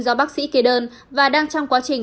do bác sĩ kê đơn và đang trong quá trình